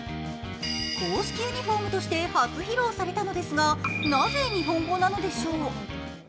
公式ユニフォームとして初披露されたのですがなぜ、日本語なのでしょう。